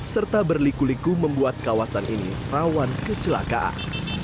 serta berliku liku membuat kawasan ini rawan kecelakaan